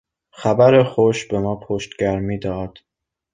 خبر خوش به ما پشتگرمی داد.